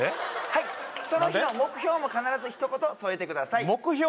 はいその日の目標も必ず一言添えてください目標？